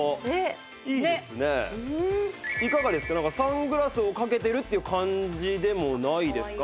サングラスをかけてるっていう感じでもないですか？